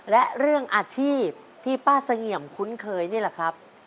และเรื่องอาชีพที่ป้าเสงี่ยมคุ้นเคยนี่แหละครับ